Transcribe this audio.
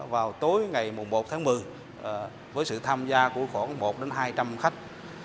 vào tối ngày một tháng một mươi với sự tham gia của khoảng một hai trăm linh khách